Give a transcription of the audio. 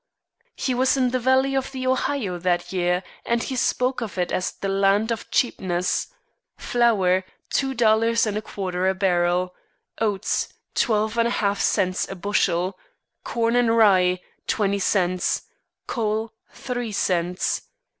He was in the valley of the Ohio that year, and he spoke of it "as the land of cheapness:" flour, two dollars and a quarter a barrel; oats, twelve and a half cents a bushel; corn and rye, twenty cents; coal, three cents.